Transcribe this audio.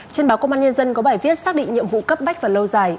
trên báo công an nhân dân có bài viết xác định nhiệm vụ cấp bách và lâu dài